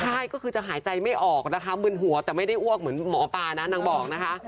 ใช่ก็คือจะหายใจไม่ออกนะคะมึนหัวแต่ไม่ได้อ้วกเหมือนหมอปลานะนางบอกนะคะ